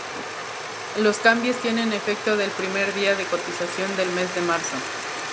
Los cambios tienen efecto el primer día de cotización del mes de marzo.